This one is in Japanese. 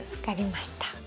分かりました。